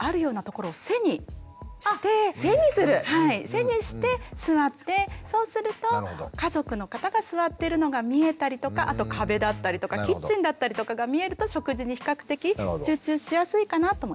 背にして座ってそうすると家族の方が座ってるのが見えたりとかあと壁だったりとかキッチンだったりとかが見えると食事に比較的集中しやすいかなと思います。